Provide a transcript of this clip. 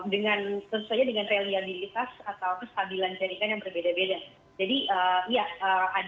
dengan tersebut saja dengan reliability atau kestabilan tekniknya yang berbeda beda